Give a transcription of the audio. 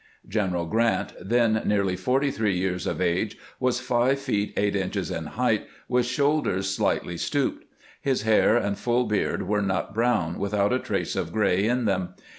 General Grrant, then nearly forty three years of age, was five feet eight inches in height, with shoulders slightly stooped. His hair and full beard were nut brown, without a trace of gray in them.